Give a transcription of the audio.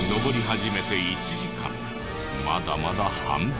まだまだ半分。